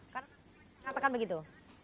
karena saya mengatakan begitu